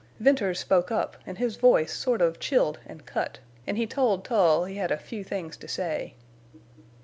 Venters spoke up, an' his voice sort of chilled an' cut, en' he told Tull he had a few things to say."